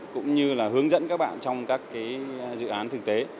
cũng như là hướng dẫn các bạn trong các dự án thực tế